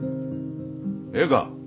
ええか。